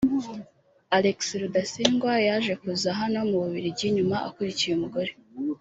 Alexis Rudsingwa yaje kuza hano mu Bubiligi nyuma akurikiye umugore